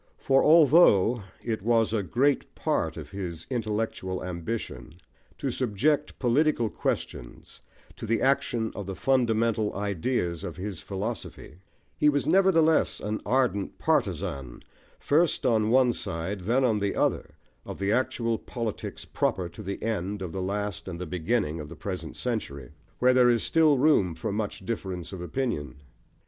For although it was a great part of his intellectual ambition to subject political questions to the action of the fundamental ideas of his philosophy, he was nevertheless an ardent partisan, first on one side, then on the other, of the actual politics proper to the end of the last and the beginning of the present century, where there is still room for much difference of opinion.